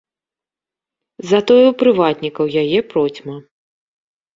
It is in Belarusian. Затое ў прыватнікаў яе процьма.